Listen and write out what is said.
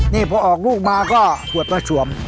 นี่พอออกลูกมาก็ขวดมาสวม